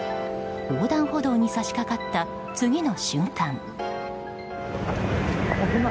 横断歩道に差し掛かった次の瞬間。